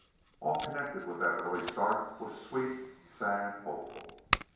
All connected with that early start was sweet, sad, hopeful.